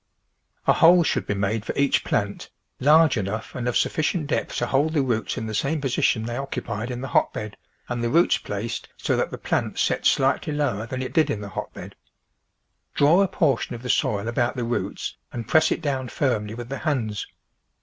A hole should be made for each plant, large enough and of sufficient depth to hold the roots in the same position they occupied in the hotbed and the roots placed so that the plant sets slightly lower than it did in the hotbed. Draw a portion of the soil about the roots and press it down firmly with the hands.